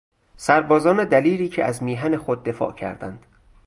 سربازان دلیری که از میهن خود دفاع کردند